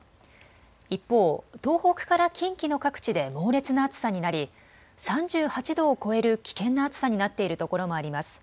一方、東北から近畿の各地で猛烈な暑さになり３８度を超える危険な暑さになっている所もあります。